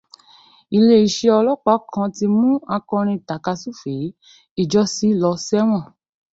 Ilé isẹ́ ọlọ́pàá kan ti mú akọrin tàkasúfèé ìjọ́sí lọ sẹ́wọ̀n